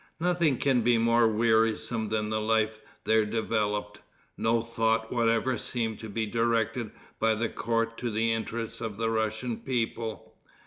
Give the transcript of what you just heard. Nothing can be more wearisome than the life there developed. No thought whatever seemed to be directed by the court to the interests of the Russian people.